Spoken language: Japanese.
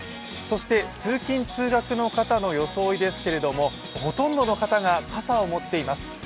そして通勤・通学の方の装いですけれどほとんどの方が傘を持っています。